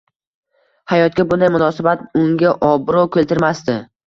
Hayotga bunday munosabat, unga obro‘ keltirmasdi.